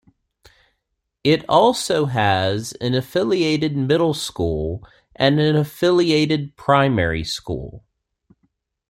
It also has an affiliated middle school and an affiliated primary school.